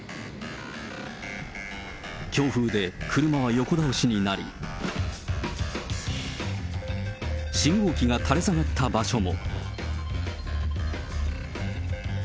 強風で車は横倒しになり、信号機が垂れ下がった場所も。